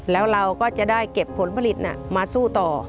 แล้วเราก็จะได้เก็บผลผลิตมาสู้ต่อ